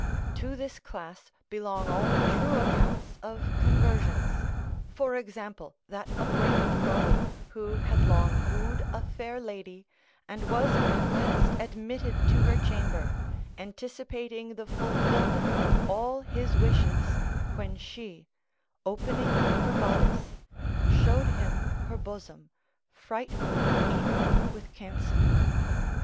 To this class belong all true accounts of conversions; for example, that of Raymond Lully, who had long wooed a fair lady, and was at last admitted to her chamber, anticipating the fulfilment of all his wishes, when she, opening her bodice, showed him her bosom frightfully eaten with cancer.